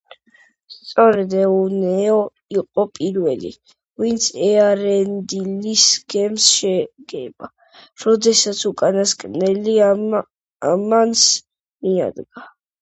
სწორედ ეონუე იყო პირველი, ვინც ეარენდილის გემს შეეგება, როდესაც უკანასკნელი ამანს მიადგა.